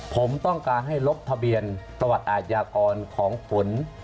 ผมต้องการให้ลบทะเบียนประวัติอาชญากรของฝน